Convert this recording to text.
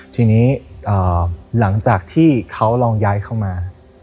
ทีนี้หลังจากที่เขาลองย้ายเข้ามา